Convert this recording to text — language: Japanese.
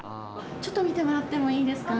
ちょっと見てもらってもいいですか？